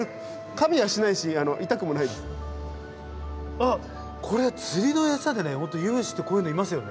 あっこれ釣りの餌でねユムシってこういうのいますよね。